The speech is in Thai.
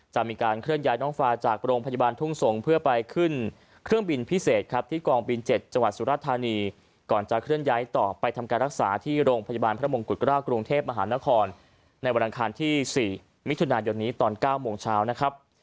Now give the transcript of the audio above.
มีการเคลื่อนย้ายน้องฟาจากโรงพยาบาลทุ่งสงศ์เพื่อไปขึ้นเครื่องบินพิเศษครับที่กองบิน๗จังหวัดสุรธานีก่อนจะเคลื่อนย้ายต่อไปทำการรักษาที่โรงพยาบาลพระมงกุฎเกล้ากรุงเทพมหานครในวันอังคารที่๔มิถุนายนนี้ตอน๙โมงเช้านะครับ